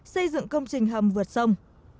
xây dựng công trình hầm vượt sông